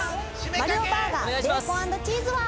「マリオ・バーガーベーコン＆チーズは」